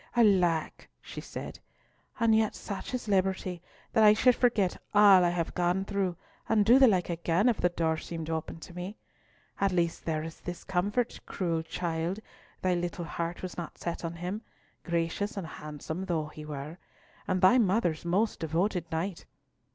alack!" she said, "and yet such is liberty, that I should forget all I have gone through, and do the like again, if the door seemed opened to me. At least there is this comfort, cruel child, thy little heart was not set on him, gracious and handsome though he were—and thy mother's most devoted knight!